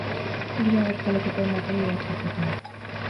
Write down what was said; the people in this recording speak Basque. Giro abertzaleko poemak ere idatzi zituen.